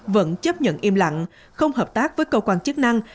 vẫn chấp nhận im lặng không hợp tác với cơ quan chức năng